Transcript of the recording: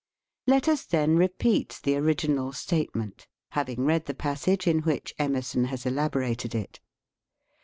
Let us then repeat the original statement, having read the passage in which Emerson has elaborated it.